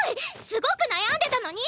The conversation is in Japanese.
すごく悩んでたのに！